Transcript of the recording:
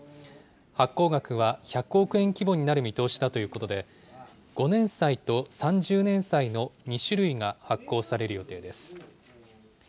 発行額は１００億円規模になる見通しだということで、５年債と３０年債の２種類が発行される予定です。